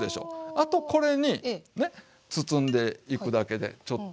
あとこれにね包んでいくだけでちょっと。